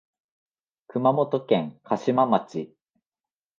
熊本県嘉島町